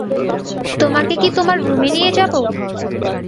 তোমাকে কি তোমার রুমে নিয়ে যাব?